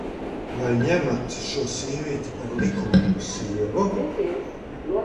Vai ņemat šo sievieti par likumīgo sievu?